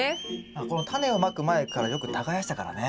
このタネをまく前からよく耕したからね。